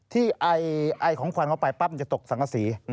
ที่ไอของควันเข้าไปปั๊บจะตกสังศรี